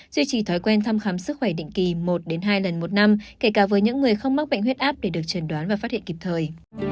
duy trì thói quen thăm khám sức khỏe định kỳ một hai lần một năm kể cả với những người không mắc bệnh huyết áp để được trần đoán và phát hiện kịp thời